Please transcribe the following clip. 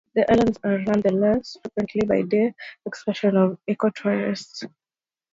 The islands are nonetheless frequented by day excursions of eco-tourists.